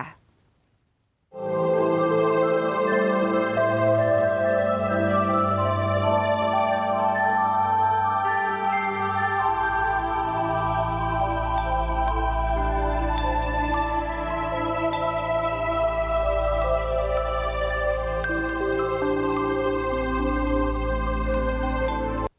เออ